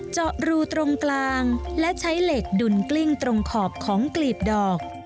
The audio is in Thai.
เจาะรูตรงกลางและใช้เหล็กดุลกลิ้งตรงขอบของกลีบดอก